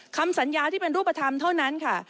คำสัญญาที่เป็นรูปธรรมเท่านั้นค่ะ